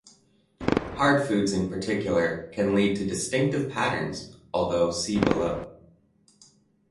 Hard foods in particular can lead to distinctive patterns (although see below).